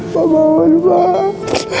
pak bangun pak